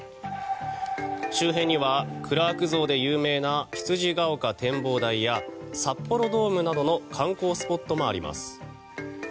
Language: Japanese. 周辺にはクラーク像で有名な羊ヶ丘展望台や札幌ドームなどの観光スポットもあります。